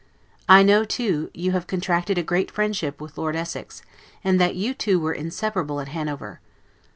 I know too, you have contracted a great friendship with Lord Essex, and that you two were inseparable at Hanover.